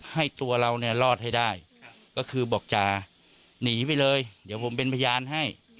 ให้ตัวเราเนี่ยรอดให้ได้ก็คือบอกจะหนีไปเลยเดี๋ยวผมเป็นพยานให้